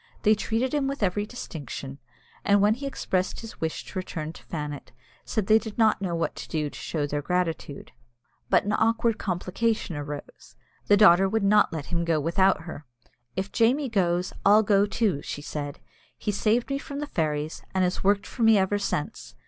They treated him with every distinction, and when he expressed his wish to return to Fannet, said they did not know what to do to show their gratitude. But an awkward complication arose. The daughter would not let him go without her. "If Jamie goes, I'll go too," she said. "He saved me from the fairies, and has worked for me ever since.